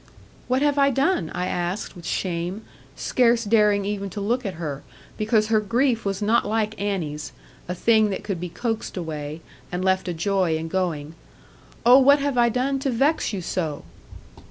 'What have I done?' I asked, with shame, scarce daring even to look at her, because her grief was not like Annie's a thing that could be coaxed away, and left a joy in going 'oh, what have I done to vex you so?'